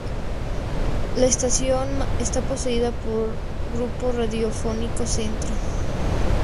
La estación está poseída por Grupo Radiofónico Centro.